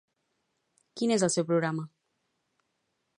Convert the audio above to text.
Quin és el seu programa?